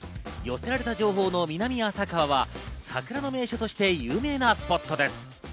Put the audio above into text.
寄せられた情報の南浅川は桜の名所として有名なスポットです。